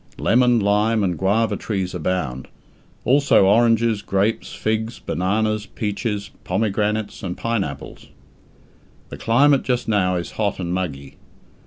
Lemon, lime, and guava trees abound, also oranges, grapes, figs, bananas, peaches, pomegranates, and pine apples. The climate just now is hot and muggy.